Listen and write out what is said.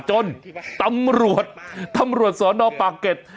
จนตำรวชตำรวจศนปราเกศ